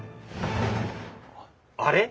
あれ？